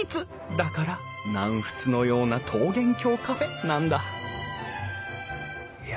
だから「南仏のような桃源郷カフェ」なんだいや